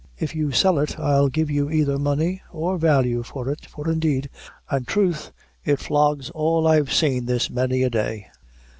If you sell it, I'll give you either money or value for it; for indeed, an' truth it flogs all I've seen this many a day."